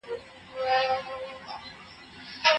موږ به په راتلونکي کي د یو بل تېروتني وبخښو.